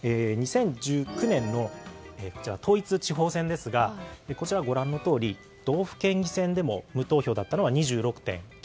２０１９年の統一地方選ですがこちらは、ご覧のとおり道府県議選でも無投票だったのは２６．９％。